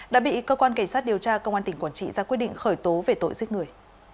đã bị cơ quan cảnh sát điều tra công an tỉnh quản trị ra quyết định khởi tố về tội giết người